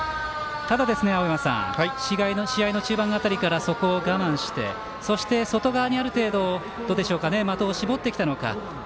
ただ、試合の中盤辺りからそこを我慢してそして外側にある程度的を絞ってきたのか。